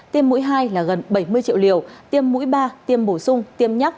tiêm mũi hai là gần bảy mươi triệu liều tiêm mũi ba tiêm bổ sung tiêm nhắc